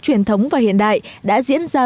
truyền thống và hiện đại đã diễn ra